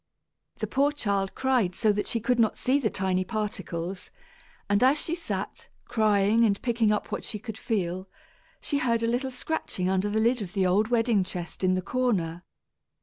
The poor child cried so that she could not see the tiny particles; and as she sat, crying and picking up what she could feel, she heard a little scratching under the lid of the old wedding chest in the corner.